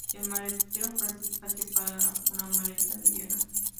El maletero ofrece espacio para una maleta mediana.